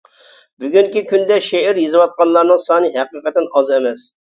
بۈگۈنكى كۈندە شېئىر يېزىۋاتقانلارنىڭ سانى ھەقىقەتەن ئاز ئەمەس.